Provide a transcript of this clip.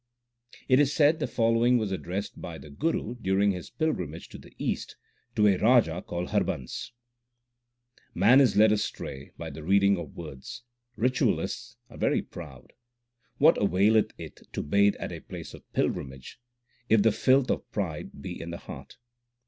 It is said the following was addressed by the Guru, during his pilgrimage to the east, to a Raja called Harbans : Man is led astray by the reading of words ; ritualists are very proud. What availeth it to bathe at a place of pilgrimage, if the filth of pride be in the heart